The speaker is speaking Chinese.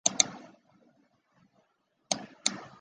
北魏延昌四年以佛教名义起兵反抗北魏统治。